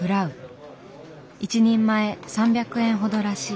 １人前３００円ほどらしい。